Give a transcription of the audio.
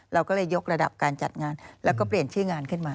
เราก็เลยยกระดับการจัดงานแล้วก็เปลี่ยนชื่องานขึ้นมา